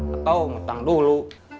atau ngutang dulu